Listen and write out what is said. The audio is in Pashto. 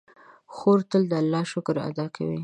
خور تل د الله شکر ادا کوي.